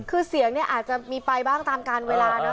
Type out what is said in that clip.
คือเสียงเนี่ยอาจจะมีไปบ้างตามการเวลานะ